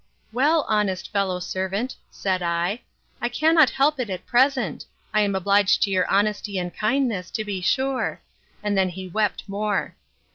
Well, honest fellow servant, said I, I cannot help it at present: I am obliged to your honesty and kindness, to be sure; and then he wept more.